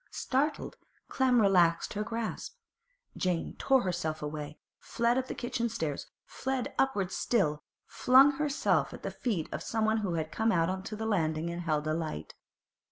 Startled, Clem relaxed her grasp. Jane tore herself away, fled up the kitchen stairs, fled upwards still, flung herself at the feet of someone who had come out on to the landing and held a light.